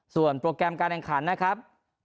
ส่วนโปรแกรมการแข่งขันนะครับ